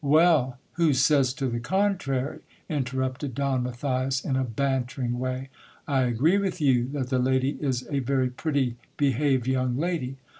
Well ! Who says to the contrary ? interrupted Don Matthias in a bantering way. I agree with you, that the lady is a very pretty behaved young lady.